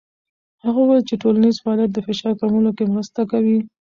هغه وویل چې ټولنیز فعالیت د فشار کمولو کې مرسته کوي.